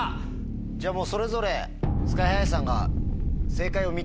じゃあもうそれぞれＳＫＹ−ＨＩさんが。